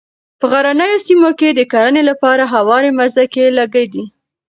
په غرنیو سیمو کې د کرنې لپاره هوارې مځکې لږې دي.